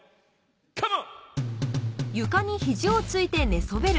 カモン！